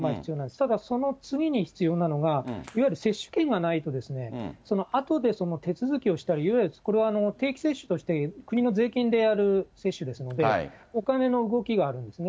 ただその次に必要なのが、いわゆる接種券がないと、あとで手続きをしたり、いわゆるこれは定期接種として、国の税金でやる接種ですので、お金の動きがあるんですね。